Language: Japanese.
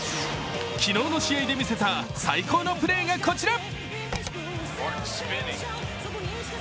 昨日の試合で見せた最高のプレーがこちら。